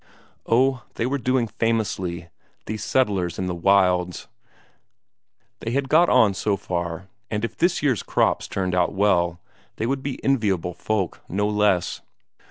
Oh, they were doing famously, these settlers in the wilds; they had got on so far, and if this year's crops turned out well they would be enviable folk, no less.